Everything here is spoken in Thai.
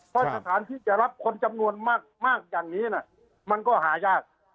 เพราะสถานที่จะรับคนจำนวนมากอย่างนี้มันก็หายาก